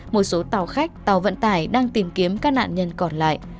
một số tàu khách tàu vận tải đang tìm kiếm các nạn nhân còn lại